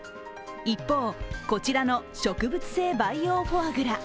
一方、こちらの植物性培養フォアグラ